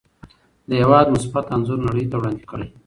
د هېواد مثبت انځور نړۍ ته وړاندې کړئ.